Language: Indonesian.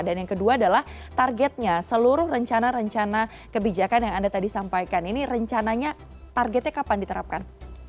dan yang kedua adalah targetnya seluruh rencana rencana kebijakan yang anda tadi sampaikan ini rencananya targetnya kapan diterapkan